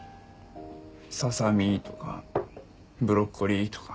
ささ身とかブロッコリーとか。